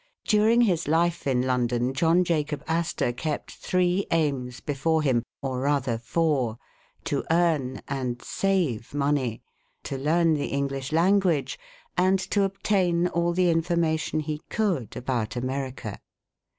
During his life in London John Jacob Astor kept three aims before him, or rather four ; to earn and save money, to learn the English language^ and to obtain all the information he could about America.